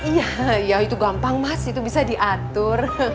iya ya itu gampang mas itu bisa diatur